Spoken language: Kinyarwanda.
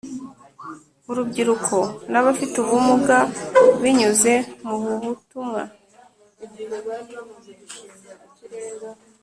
urubyiruko nabafite ubumuga binyuze mububutumwa